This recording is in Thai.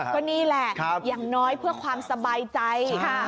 ก็นี่แหละอย่างน้อยเพื่อความสบายใจ